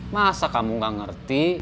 masa kamu gak ngerti